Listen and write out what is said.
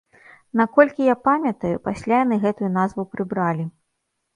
Наколькі я памятаю, пасля яны гэтую назву прыбралі.